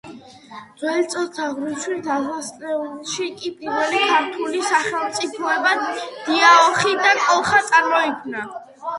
ძვწ ათასწლეულში კი პირველი ქართული სახელმწიფოები დიაოხი და კოლხა წარმოიქმნა